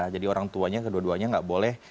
jadi orang tuanya kedua duanya nggak boleh